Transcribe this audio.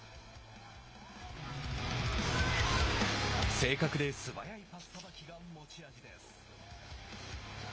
正確で素早いパスさばきが持ち味です。